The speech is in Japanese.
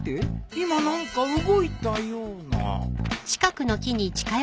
今何か動いたような